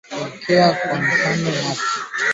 Oka kwenye jiko lenye moto wa wastani mdogo